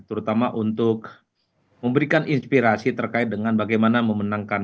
terutama untuk memberikan inspirasi terkait dengan bagaimana memenangkan